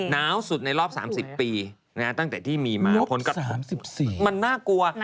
้าวสุดในรอบ๓๐ปีตั้งแต่ที่มีมาผลกระทบ๑๔มันน่ากลัว